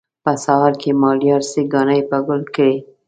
په سهار کې مالیار څه کانې په ګل کړي.